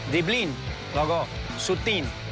ดิบลินก็ทรุดตีน